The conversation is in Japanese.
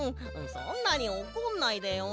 そんなにおこんないでよ。